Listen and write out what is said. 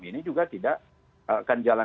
ini juga tidak akan jalan